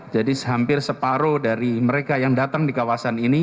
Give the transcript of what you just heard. jadi hampir separuh dari mereka yang datang di kawasan ini